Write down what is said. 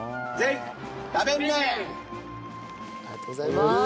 ありがとうございます！